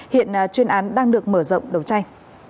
hiện chuyên án đang được mở rộng đầu chai